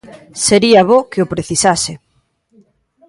Sería bo que o precisase.